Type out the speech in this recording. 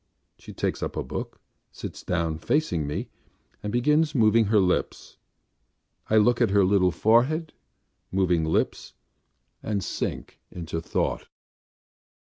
She takes up a book, sits down facing me and begins moving her lips .... I look at her little forehead, moving lips, and sink into thought.